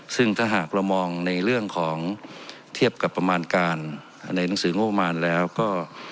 ซึ่งถ้าหากเรามองในเรื่องของเทียบกับประมาณการในหนังสืองบประมาณแล้วก็